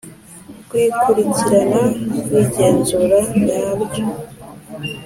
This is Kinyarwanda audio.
rw ikurikirana ry igenzura nyaryo